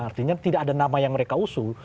artinya tidak ada nama yang mereka usung